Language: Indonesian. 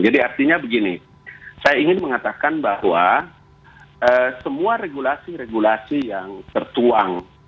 jadi artinya begini saya ingin mengatakan bahwa semua regulasi regulasi yang tertuang